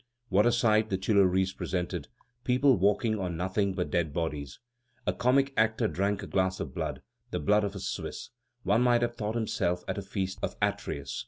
What a sight the Tuileries presented! People walked on nothing but dead bodies. A comic actor drank a glass of blood, the blood of a Swiss; one might have thought himself at a feast of Atreus.